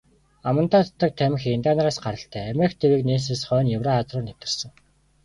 Амандаа татдаг тамхи индиан нараас гаралтай, Америк тивийг нээснээс хойно Еврази руу нэвтэрсэн.